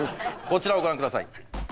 こちらをご覧下さい。